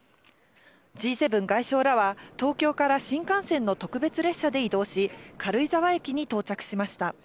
Ｇ７外相らは、東京から新幹線の特別列車で移動し、軽井沢駅に到着しました。